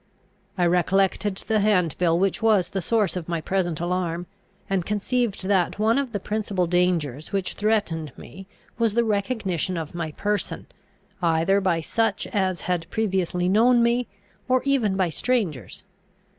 I recollected the hand bill which was the source of my present alarm, and conceived that one of the principal dangers which threatened me was the recognition of my person, either by such as had previously known me, or even by strangers.